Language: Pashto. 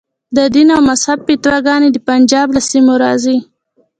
د دین او مذهب فتواګانې د پنجاب له سیمو راځي.